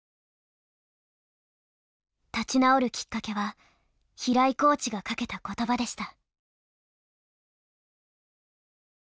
立ち直るきっかけは平井コーチがかけた言葉でした。